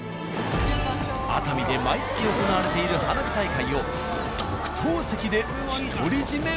熱海で毎月行われている花火大会を特等席で独り占め。